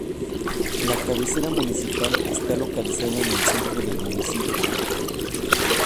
La cabecera municipal está localizada en el centro del municipio.